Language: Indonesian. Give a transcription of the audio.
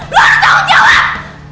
lu harus tanggung jawab